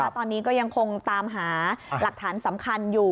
ตอนนี้ก็ยังคงตามหาหลักฐานสำคัญอยู่